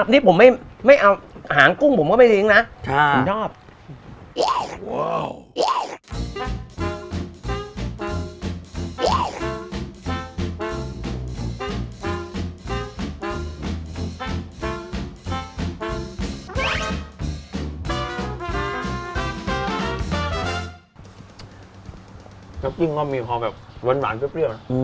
งั้นกิ้งก็มีพอแบบหวานหวานเสื้อ